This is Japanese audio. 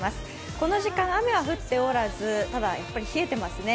この時間、雨は降っておらず、ただやっぱり冷えてますね。